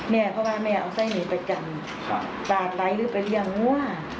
แม่เพราะว่าแม่เอาไส้หนีไปกันปลาไปหรือไปเที่ยวหัว